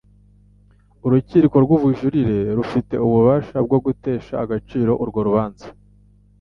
urukiko rw ubujurire rufite ububasha bwogutesha agaciro urwo rubanza